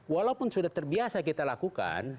walaupun sudah terbiasa kita lakukan